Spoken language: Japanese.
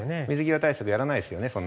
水際対策やらないですよね